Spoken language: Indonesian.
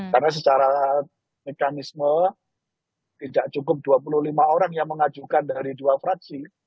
karena secara mekanisme tidak cukup dua puluh lima orang yang mengajukan dari dua fraksi